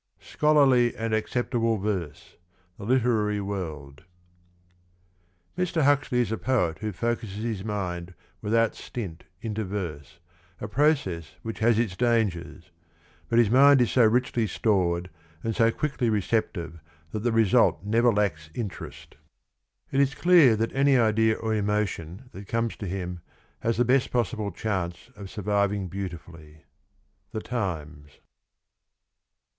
Scholarly and acceptable verse. — The Literary World. Mr. Huxley is a poet who focuses his mind without stint into verse, a process which has its dangers; but his mind is so richly stored and so quickly receptive that the result never lacks interest. It is clear that any idea or emotion that comes to him has the best possible chance of surviving beautifully. — The Times.